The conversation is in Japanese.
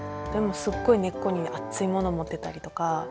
でもすっごい根っこに熱いものを持ってたりとか。